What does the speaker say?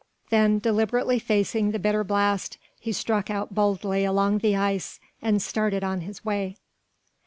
Then deliberately facing the bitter blast he struck out boldly along the ice and started on his way.